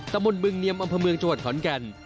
ตะบนบึงเนียมอำเภอเมืองจังหวัดขอนแก่น